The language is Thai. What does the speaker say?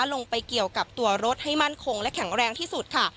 เกี่ยวกับตัวรถให้มั่นคงและแข็งแรงที่สุดค่ะ